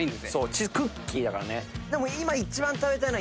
チーズクッキーだからね。